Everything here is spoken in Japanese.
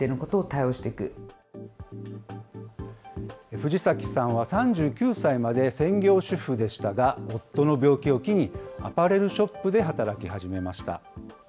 藤崎さんは３９歳まで専業主婦でしたが、夫の病気を機に、アパレルショップで働き始めました。